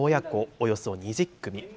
およそ２０組。